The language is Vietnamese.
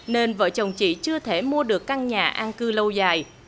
nên vợ chồng chị chưa thể mua được căn nhà an cư lâu dài